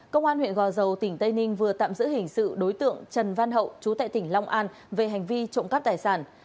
công an huyện gò dầu tỉnh tây ninh vừa tạm giữ hình sự đối tượng trần văn hậu chú tại tỉnh long an về hành vi trộm cắp tài sản